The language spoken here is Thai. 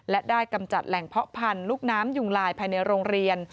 และได้กำจัดแหล่งเพาะพันธุ์ลูกน้ำยุงลายภายในโรงเรียน